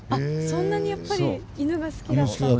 そんなにやっぱり犬が好きだった。